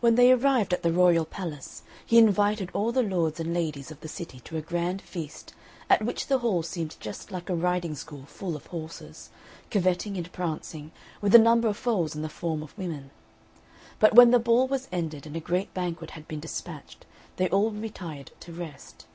When they arrived at the royal palace, he invited all the lords and ladies of the city to a grand feast, at which the hall seemed just like a riding school full of horses, curveting and prancing, with a number of foals in the form of women. But when the ball was ended, and a great banquet had been despatched, they all retired to rest.